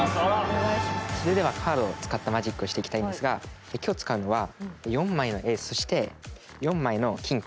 それではカードを使ったマジックをしていきたいんですが今日使うのは４枚のエースそして４枚のキング。